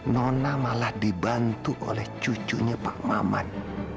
nona malah dibantu oleh cucunya pak maman